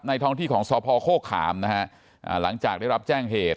ท้องที่ของสพโฆขามนะฮะอ่าหลังจากได้รับแจ้งเหตุ